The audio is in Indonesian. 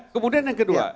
kemudian yang kedua